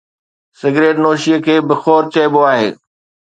Cigarette نوشي کي بخور چئبو آهي.